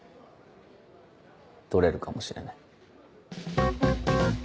取れるかもしれない。